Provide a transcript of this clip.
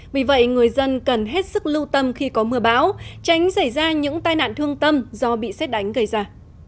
vì vậy người dân cần hết sức lưu tâm khi có mưa bão tránh xảy ra những tai nạn thương tâm do bị xét đánh gây ra